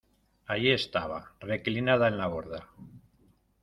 allí estaba, reclinada en la borda: